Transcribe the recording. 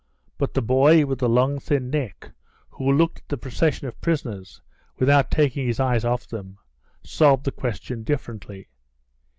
But the boy with the long, thin neck, who looked at the procession of prisoners without taking his eyes off them, solved the question differently.